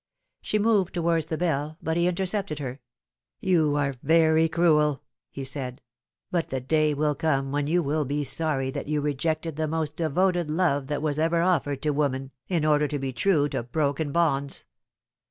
She moved towards the bell, but he intercepted her. " You are very cruel," he said ;" but the day will come when you will be sorry that you rejected the most devoted love that was ever offered to woman in order to be true to broken bonds."